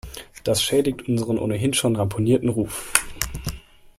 Das schädigt unseren ohnehin schon ramponierten Ruf.